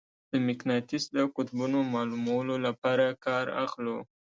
د مقناطیس د قطبونو معلومولو لپاره کار اخلو.